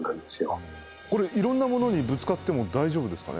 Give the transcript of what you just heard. これいろんなものにぶつかっても大丈夫ですかね。